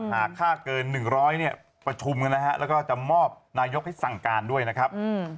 หากค่าเกิน๑๐๐เนี่ยประชุมกันนะฮะแล้วก็จะมอบนายกให้สั่งการด้วยนะครับ